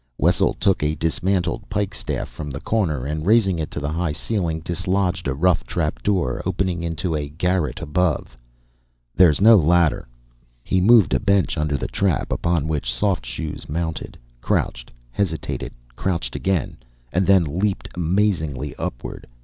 Wessel took a dismantled pike staff from the corner, and raising it to the high ceiling, dislodged a rough trap door opening into a garret above. "There's no ladder." He moved a bench under the trap, upon which Soft Shoes mounted, crouched, hesitated, crouched again, and then leaped amazingly upward.